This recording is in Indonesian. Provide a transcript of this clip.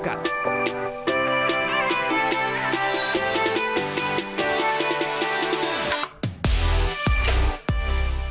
sampai di dekat